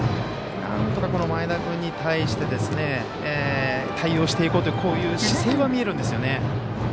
なんとか前田君に対して対応していこうという姿勢は見えるんですよね。